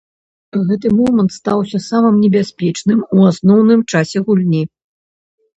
Гэты момант стаўся самым небяспечным у асноўным часе гульні.